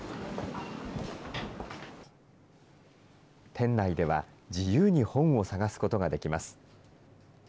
店内では自由に本を探すことができます。